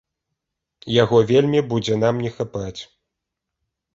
Яго вельмі будзе нам не хапаць.